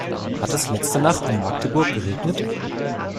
Hat es letzte Nacht in Magdeburg geregnet?